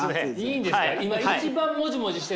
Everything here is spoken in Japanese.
いいんですか？